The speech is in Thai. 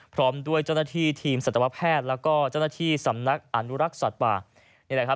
พร้อมด้วยเจ้าหน้าที่ทีมสัตวแพทย์แล้วก็เจ้าหน้าที่สำนักอนุรักษ์สัตว์ป่านี่แหละครับ